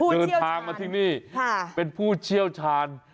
เดินทางมาที่นี่เป็นผู้เชี่ยวชาญ